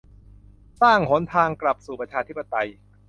"สร้าง" หนทางกลับสู่ประชาธิปไตย